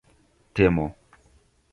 temo